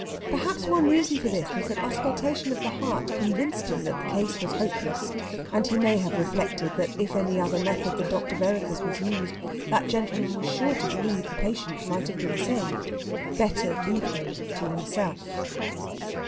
Perhaps one reason for this was that auscultation of the heart convinced him that the case was hopeless, and he may have reflected that if any other method than Dr. Vereker's was used that gentleman was sure to believe the patient might have been saved. Better leave him to himself.